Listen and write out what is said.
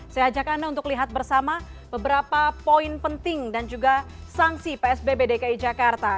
saya ajak anda untuk lihat bersama beberapa poin penting dan juga sanksi psbb dki jakarta